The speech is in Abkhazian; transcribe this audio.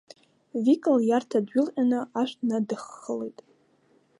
Вика лиарҭа дҩылҟьаны ашә днадыххылоит.